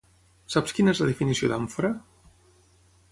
Saps quina és la definició d'àmfora?